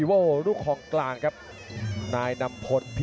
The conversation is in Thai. สวัสดิ์นุ่มสตึกชัยโลธสวัสดิ์